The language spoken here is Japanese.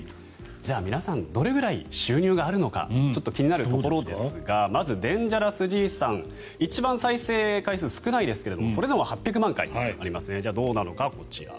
じゃあ、皆さんどれくらい収入があるのかちょっと気になるところですがまずＤａｎｇｅｒｏｕｓ爺さん一番再生回数少ないですがそれでも８００万回ありますねどうなのか、こちら。